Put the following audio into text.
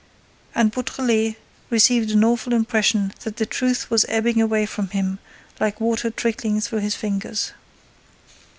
And Beautrelet received the awful impression that the truth was ebbing away from him, like water trickling through his fingers.